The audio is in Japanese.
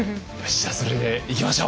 じゃあそれでいきましょう！